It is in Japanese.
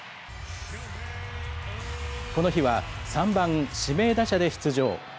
この日は、３番指名打者で出場。